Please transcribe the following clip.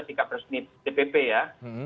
resika resmi dpp ya